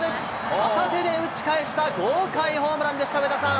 片手で打ち返した豪快ホームランでした、上田さん。